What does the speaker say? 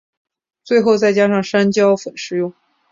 最后再加上山椒粉食用。